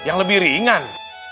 yang lebih ringan